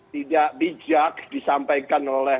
tidak bijak disampaikan oleh